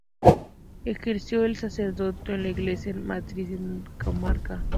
Ejerció el sacerdocio en la iglesia matriz de Catamarca.